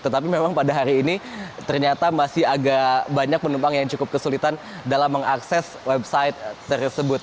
tetapi memang pada hari ini ternyata masih agak banyak penumpang yang cukup kesulitan dalam mengakses website tersebut